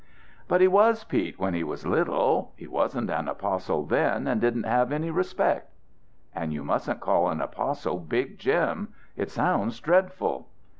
"But he was Pete when he was little. He wasn't an apostle then and didn't have any respect." "And you mustn't call an apostle Big Jim! It sounds dreadful!"